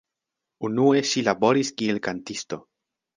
Unue ŝi laboris kiel kantisto.